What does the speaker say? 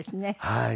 はい。